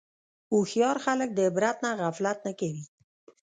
هوښیار خلک د عبرت نه غفلت نه کوي.